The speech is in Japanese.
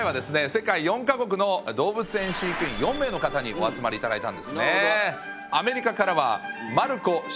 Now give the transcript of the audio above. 世界４か国の動物園飼育員４名の方にお集まり頂いたんですね。